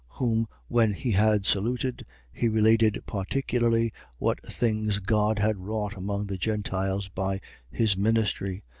21:19. Whom when he had saluted, he related particularly what things God had wrought among the Gentiles by his ministry.